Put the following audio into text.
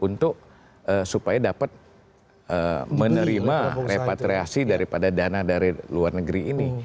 untuk supaya dapat menerima repatriasi daripada dana dari luar negeri ini